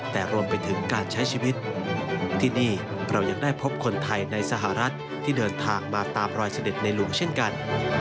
แต่รวมไปถึงการใช้ชีวิตที่นี่เรายังได้พบคนไทยในสหรัฐที่เดินทางมาตามรอยเสด็จในหลวงเช่นกัน